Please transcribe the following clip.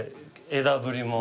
枝ぶりも。